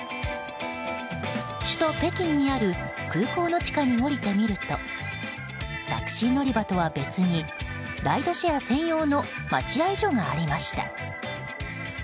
首都・北京にある空港の地下に下りてみるとタクシー乗り場とは別にライドシェア専用の待合所がありました。